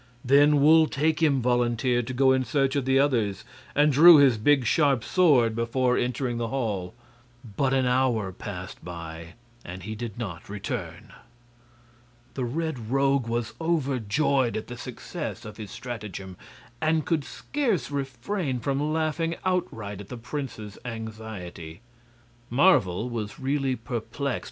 Then Wul Takim volunteered to go in search of the others, and drew his big, sharp sword before entering the hall. But an hour passed by and he did not return. The Red Rogue was overjoyed at the success of his stratagem, and could scarce refrain from laughing outright at the prince's anxiety. Marvel was really perplexed.